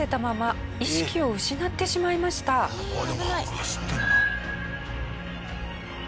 走ってるんだ。